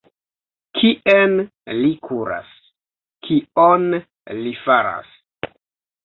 Kien li kuras? Kion li faras?